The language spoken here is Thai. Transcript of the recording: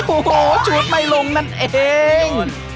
โอ้โหชุดไม่ลงนั่นเอง